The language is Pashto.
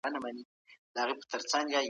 مینه او صمیمیت پکې وي.